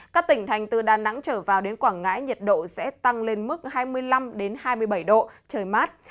các tỉnh thành từ đà nẵng trở vào đến quảng ngãi nhiệt độ sẽ tăng lên mức hai mươi năm hai mươi bảy độ trời mát